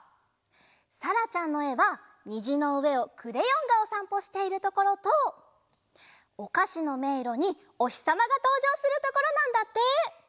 さらちゃんのえはにじのうえをクレヨンがおさんぽしているところとおかしのめいろにおひさまがとうじょうするところなんだって！